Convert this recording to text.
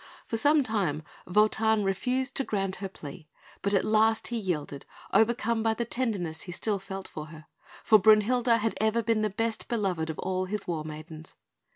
For some time Wotan refused to grant her plea; but at last he yielded, overcome by the tenderness he still felt for her, for Brünhilde had ever been the best beloved of all his war maidens.